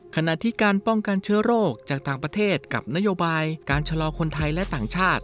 ขณะที่การป้องกันเชื้อโรคจากต่างประเทศกับนโยบายการชะลอคนไทยและต่างชาติ